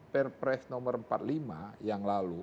perpres nomor empat puluh lima yang lalu